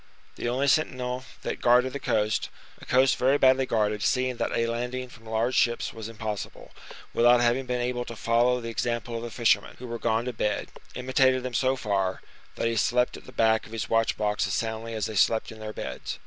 The only sentinel that guarded the coast (a coast very badly guarded, seeing that a landing from large ships was impossible), without having been able to follow the example of the fishermen, who were gone to bed, imitated them so far, that he slept at the back of his watch box as soundly as they slept in their beds.